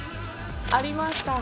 ありました